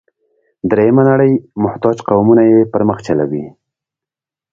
درېیمه نړۍ محتاج قومونه یې پر مخ چلوي.